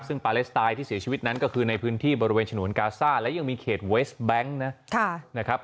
ซึ่งปาเลสไตน์ที่เสียชีวิตนั้นก็คือในพื้นที่บริเวณฉนวนกาซ่าและยังมีเขตเวสแบงค์นะครับ